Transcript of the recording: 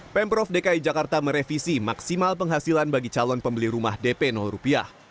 pemprov dki jakarta merevisi maksimal penghasilan bagi calon pembeli rumah dp rupiah